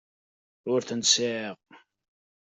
Ur ten-sɛiɣ.